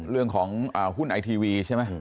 เรื่องของหุ้นไอทีวีใช่ไหม